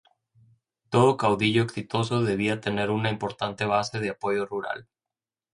Todo caudillo exitoso debía tener una importante base de apoyo rural.